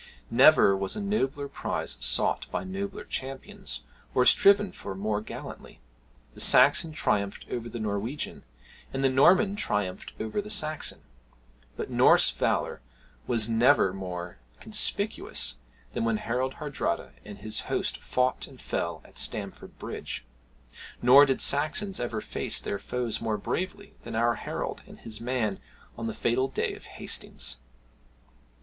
Never was a nobler prize sought by nobler champions, or striven for more gallantly. The Saxon triumphed over the Norwegian, and the Norman triumphed over the Saxon: but Norse valour was never more conspicuous than when Harald Hardrada and his host fought and fell at Stamford Bridge; nor did Saxons ever face their foes more bravely than our Harold and his men on the fatal day of Hastings.